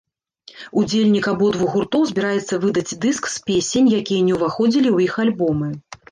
Удзельнік абодвух гуртоў збіраецца выдаць дыск з песень, якія не ўваходзілі ў іх альбомы.